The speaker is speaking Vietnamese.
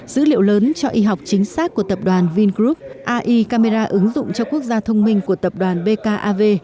dữ liệu lớn cho y học chính xác của tập đoàn vingroup ai camera ứng dụng cho quốc gia thông minh của tập đoàn bkav